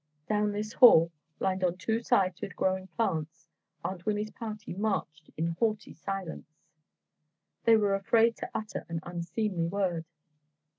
Down this hall, lined on two sides with growing plants, Aunt Winnie's party marched in haughty silence. They were afraid to utter an unseemly word.